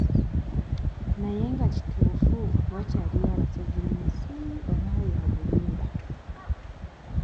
Naye nga kituufu wakyaliyo abasezi mu nsi oba bya bulimba?